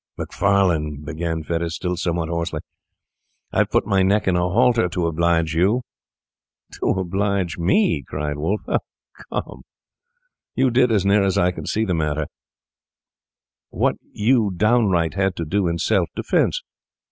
'Macfarlane,' began Fettes, still somewhat hoarsely, 'I have put my neck in a halter to oblige you.' 'To oblige me?' cried Wolfe. 'Oh, come! You did, as near as I can see the matter, what you downright had to do in self defence.